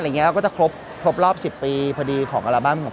อย่างเงี้ยแล้วก็จะครบครบรอบสิบปีพอดีของอัลบั้มของ